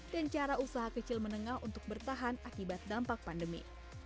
dan cara usaha kecil menengah untuk bertahan akibat dampak pandemi